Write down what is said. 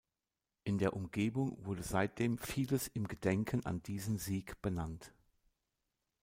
In der Umgebung wurde seitdem vieles im Gedenken an diesen Sieg benannt.